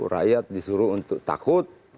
rakyat disuruh untuk takut